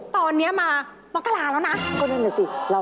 ตอนนี้มามกลาแล้วนะ